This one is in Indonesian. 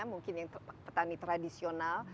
mungkin yang petani tradisional